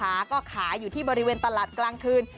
ขายก็ขายอยู่ที่บริเวณตลาดกลางคืน